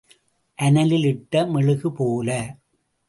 அனலில் இட்ட மெழுகுபோல.